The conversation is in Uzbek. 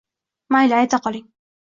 Mayli, ayta qoling.